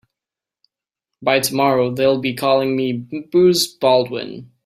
By tomorrow they'll be calling me Bruce Baldwin.